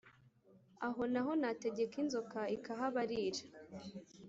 aho na ho nategeka inzoka ikahabarira.